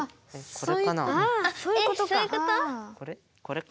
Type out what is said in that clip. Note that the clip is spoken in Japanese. これ？